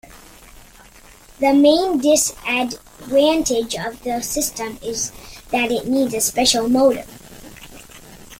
The main disadvantage of the system is that it needs a special motor.